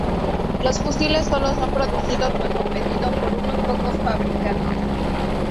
Los fusiles solo son producidos bajo pedido por unos pocos fabricantes.